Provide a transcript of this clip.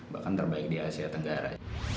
bahkan terbaik di asia tenggara